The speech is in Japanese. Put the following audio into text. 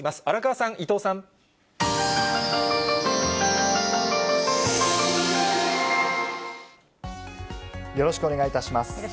荒川さん、よろしくお願いいたします。